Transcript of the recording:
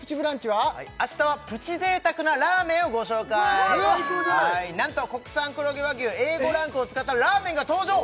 はい明日はプチ贅沢なラーメンをご紹介なんと国産黒毛和牛Ａ５ランクを使ったラーメンが登場